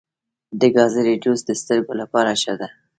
د ګازرې جوس د سترګو لپاره ښه دی.